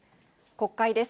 国会です。